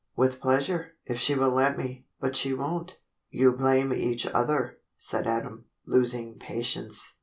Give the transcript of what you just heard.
"With pleasure, if she will let me, but she won't." "You blame each other," said Adam, losing patience.